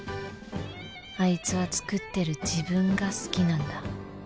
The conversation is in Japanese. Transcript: あいつは作ってる自分が好きなんだ